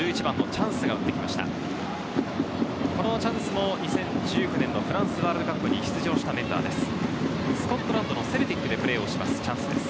チャンスも２０１９年フランスワールドカップに出場したメンバーです。